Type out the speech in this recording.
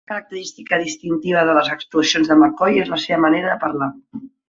Una característica distintiva de les actuacions de McCoy és la seva manera de parlar.